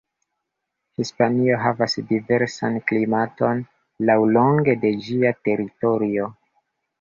Hispanio havas diversan klimaton laŭlonge de ĝia teritorio.